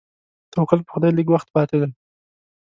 توکل په خدای لږ وخت پاتې دی.